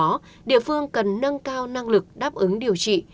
do đó địa phương cần nâng cao năng lực đáp ứng điều trị